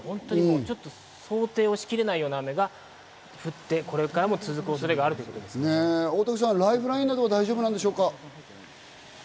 ちょっと想定しきれないような雨が降って、これからも続く恐れが大竹さん、ライフラインなどは大丈夫なんでしょうか？